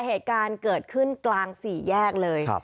เหตุการณ์เกิดขึ้นกลางสี่แยกเลย